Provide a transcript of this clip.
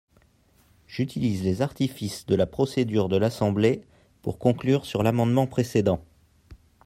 J’utilise les artifices de la procédure de l’Assemblée pour conclure sur l’amendement précédent.